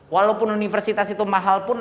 walaupun universitas itu mahal pun